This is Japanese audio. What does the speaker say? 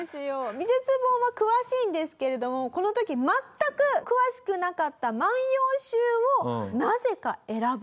美術本も詳しいんですけれどもこの時全く詳しくなかった『万葉集』をなぜか選ぶと。